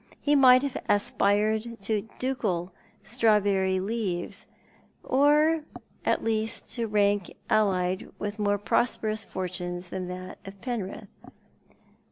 He might have aspired to ducal strawberry leaves — or at least to rank allied with more prosperous fortunes than those of Penrith.